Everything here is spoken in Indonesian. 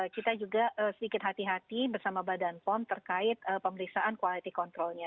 kita juga sedikit hati hati bersama badan pom terkait pemeriksaan quality controlnya